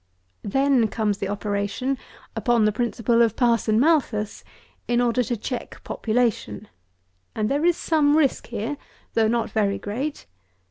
Then comes the operation, upon the principle of Parson Malthus, in order to check population; and there is some risk here, though not very great.